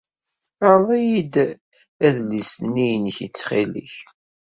Ɛreḍ-iyi-d adlis-nni-inek ttxil-k.